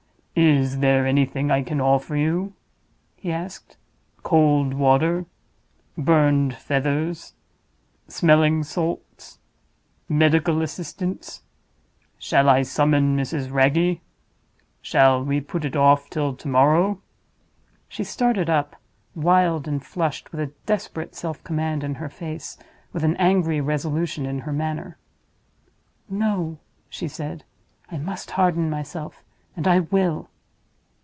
"Is there anything I can offer you?" he asked. "Cold water? burned feathers? smelling salts? medical assistance? Shall I summon Mrs. Wragge? Shall we put it off till to morrow?" She started up, wild and flushed, with a desperate self command in her face, with an angry resolution in her manner. "No!" she said. "I must harden myself—and I will!